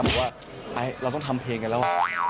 ว่าเราต้องทำเพลงกันแล้ว